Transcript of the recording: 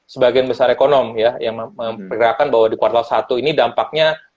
sebagian besar ekonom ya yang memperkirakan bahwa di kuartal satu ini dampaknya